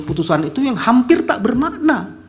putusan itu yang hampir tak bermakna